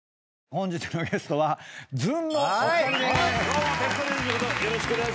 本日のゲストはずんのお二人でーす！